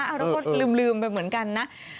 เราก็ลืมไปเหมือนกันนะ